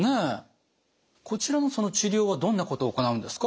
こちらの治療はどんなことを行うんですか？